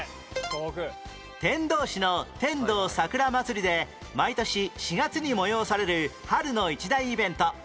天童市の天童桜まつりで毎年４月に催される春の一大イベント